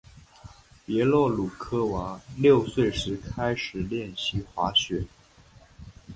别洛鲁科娃六岁时开始练习滑雪。